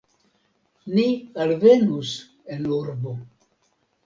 Ni alvenus en urbo.